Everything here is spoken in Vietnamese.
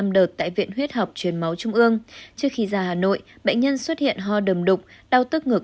năm đợt tại viện huyết học truyền máu trung ương trước khi ra hà nội bệnh nhân xuất hiện ho đầm đục đau tức ngực